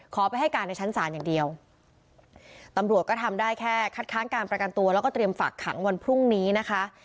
ไปให้การในชั้นศาลอย่างเดียวตำรวจก็ทำได้แค่คัดค้านการประกันตัวแล้วก็เตรียมฝากขังวันพรุ่งนี้นะคะ